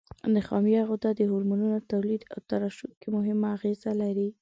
نخامیه غده د هورمون تولید او ترشح کې مهمه اغیزه لري.